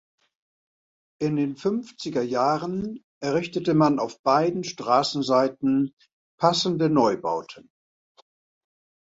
In den Fünfziger Jahren errichtete man auf beiden Straßenseiten passende Neubauten.